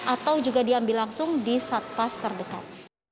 atau juga diambil langsung di satpas terdekat